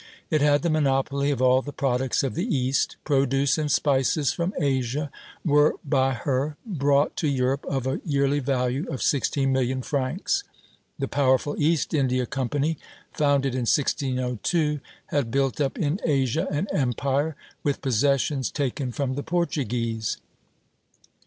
It had the monopoly of all the products of the East. Produce and spices from Asia were by her brought to Europe of a yearly value of sixteen million francs. The powerful East India Company, founded in 1602, had built up in Asia an empire, with possessions taken from the Portuguese.